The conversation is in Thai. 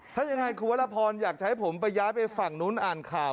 ถ้ายังไงคุณวรพรอยากจะให้ผมไปย้ายไปฝั่งนู้นอ่านข่าว